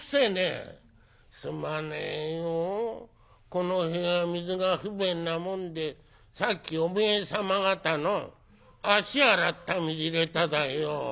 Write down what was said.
この部屋水が不便なもんでさっきおめえ様方の足洗った水入れただよ」。